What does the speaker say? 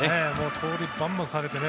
盗塁バンバンされてね。